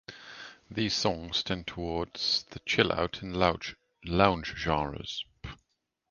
These songs tend toward the chillout and lounge genres.